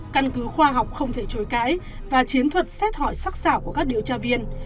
căn cứ khoa học không thể chối cãi và chiến thuật xét hỏi sắc xảo của các điều tra viên